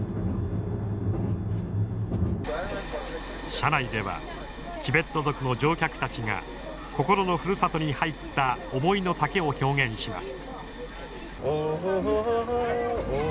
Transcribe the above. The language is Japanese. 車内ではチベット族の乗客たちが心のふるさとに入った思いのたけを表現します。